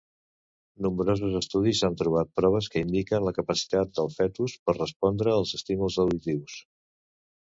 Nombrosos estudis han trobat proves que indiquen la capacitat del fetus per respondre als estímuls auditius.